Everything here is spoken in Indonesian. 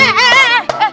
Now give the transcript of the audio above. tuh kan kamu sudah benar